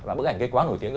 và bức ảnh gây quá nổi tiếng